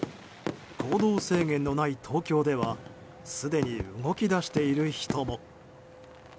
行動制限のない東京ではすでに動き出している人も。